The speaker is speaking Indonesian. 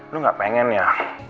lo nggak pengen ya